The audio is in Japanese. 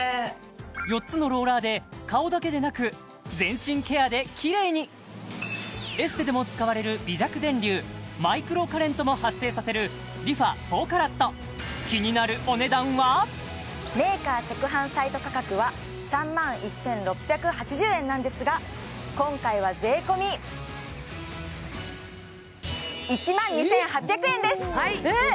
４つのローラーで顔だけでなく全身ケアできれいにエステでも使われる微弱電流マイクロカレントも発生させるＲｅＦａ４ＣＡＲＡＴメーカー直販サイト価格は３万１６８０円なんですが今回は税込１万２８００円です！